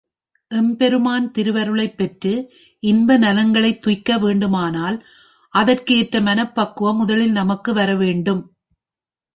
எம்பெருமான் திருவருளைப் பெற்று இன்பநலங்களைத் துய்க்க வேண்டுமானால் அதற்கு எற்ற மனப்பக்குவம் முதலில் நமக்கு வர வேண்டும்.